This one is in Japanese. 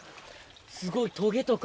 すごいトゲとか。